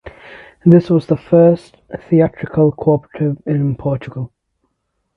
This was the first theatrical cooperative in Portugal.